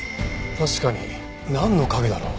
確かになんの影だろう？